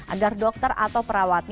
agar dokter atau perawatnya